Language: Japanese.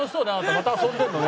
また遊んでるのね」